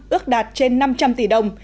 ước đạt trên năm trăm linh tỷ đồng